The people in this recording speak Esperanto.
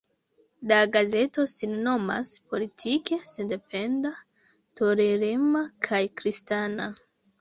La gazeto sin nomas politike sendependa, tolerema kaj kristana.